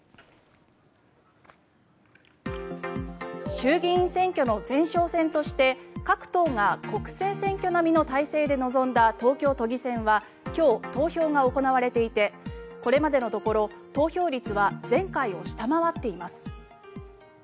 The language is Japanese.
衆議院選挙の前哨戦として各党が国政選挙並みの態勢で臨んだ東京都議選は今日、投票が行われていてこれまでのところ投票率は前回を下回っています。